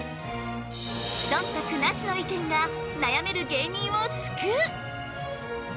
そんたくなしの意見が悩める芸人を救う！